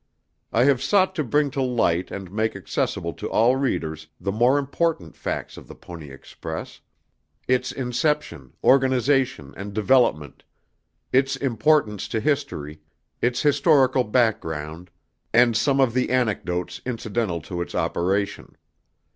I have sought to bring to light and make accessible to all readers the more important facts of the Pony Express its inception, organization and development, its importance to history, its historical background, and some of the anecdotes incidental to its operation.